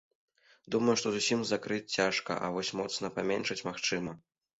Думаю, што зусім закрыць цяжка, а вось моцна паменшыць магчыма.